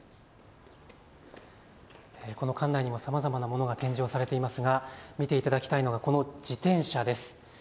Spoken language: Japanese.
この館内にもさまざまなものが展示をされていますが見ていただきたいのがこの自転車です。